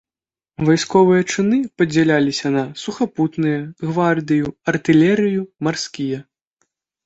Вайсковыя чыны падзяляліся на сухапутныя, гвардыю, артылерыю, марскія.